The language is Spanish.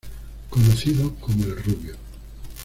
Conocido como el Rubio.